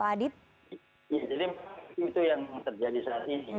jadi mungkin itu yang terjadi saat ini